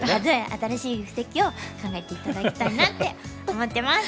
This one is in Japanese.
新しい布石を考えて頂きたいなって思ってます！